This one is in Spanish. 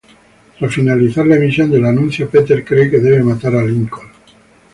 Tras finalizar la emisión del anuncio, Peter cree que debe matar a Lincoln.